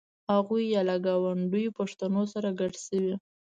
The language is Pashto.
هغوی یا له ګاونډیو پښتنو سره ګډ شوي.